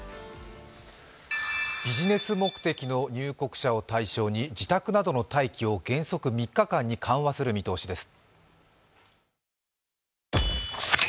ビジネス目的の入国者を対象に自宅などの待機を原則３日間に緩和する見通しです。